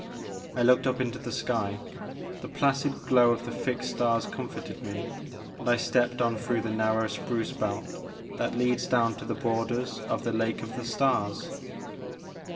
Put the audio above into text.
I looked up into the sky. The placid glow of the fixed stars comforted me and I stepped on through the narrow spruce belt that leads down to the borders of the Lake of the Stars.